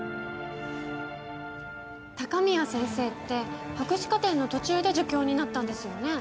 鷹宮先生って博士課程の途中で助教になったんですよね